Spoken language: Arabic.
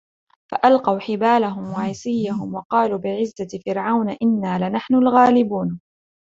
فَأَلْقَوْا حِبَالَهُمْ وَعِصِيَّهُمْ وَقَالُوا بِعِزَّةِ فِرْعَوْنَ إِنَّا لَنَحْنُ الْغَالِبُونَ